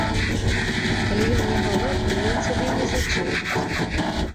Калі ён не галодны, ён цябе не зачэпіць.